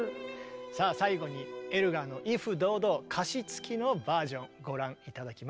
さあ最後にエルガーの「威風堂々」歌詞付きのバージョンご覧頂きます。